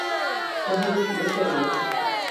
تحریک مشر یم.